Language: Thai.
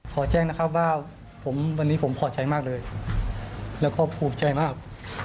ขอแจ้งนะครับว่าผมวันนี้ผมพอใจมากเลยแล้วก็ภูมิใจมาก